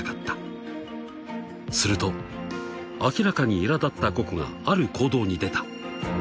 ［すると明らかにいら立ったココがある行動に出た］